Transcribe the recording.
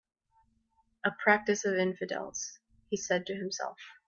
"A practice of infidels," he said to himself.